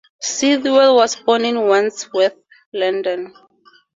Sidwell was born in Wandsworth, London.